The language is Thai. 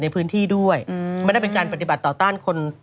ในพื้นที่ด้วยไม่ได้เป็นการปฏิบัติต่อต้านคน